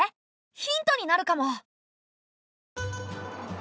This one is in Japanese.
ヒントになるかも。